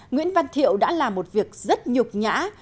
nguyễn văn thiệu đã làm một việc rất nhục nhã